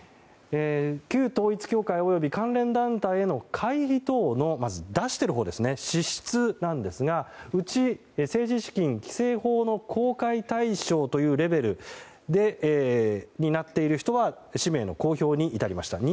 旧統一教会及び関連団体への会費等の、出しているほう支出なんですがうち、政治資金規正法の公開対象のレベルになっている人は氏名の公表に至りました。